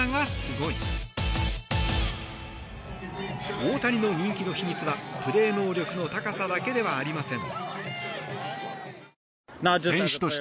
大谷の人気の秘密はプレー能力の高さだけではありません。